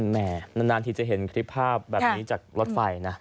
นานทีจะเห็นคลิปภาพแบบนี้จากรถไฟนะ